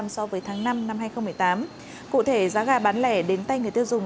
so với tháng năm năm hai nghìn một mươi tám cụ thể giá gà bán lẻ đến tay người tiêu dùng